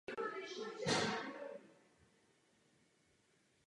Hamilton je kvůli duelu Washingtonem dočasně zbaven svých pravomocí.